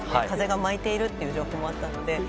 風が巻いているという状況もあったので。